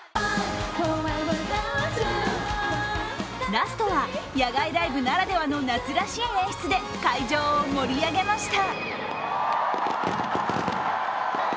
ラストは、野外ライブならではの夏らしい演出で会場を盛り上げました。